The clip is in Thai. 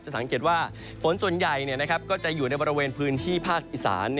สังเกตว่าฝนส่วนใหญ่ก็จะอยู่ในบริเวณพื้นที่ภาคอีสาน